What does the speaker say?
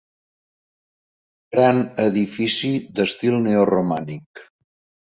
Gran edifici d'estil neoromànic.